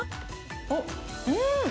おっ、うん！